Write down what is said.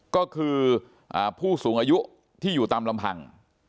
ก็คือผู้สูงอายุที่อยู่ตามลำพัง